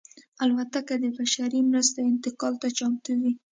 الوتکه د بشري مرستو انتقال ته چمتو وي.